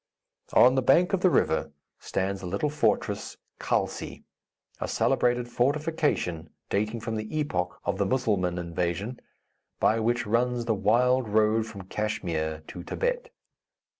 On the bank of the river stands the little fortress Khalsi, a celebrated fortification dating from the epoch of the Musselman invasion, by which runs the wild road from Kachmyr to Thibet.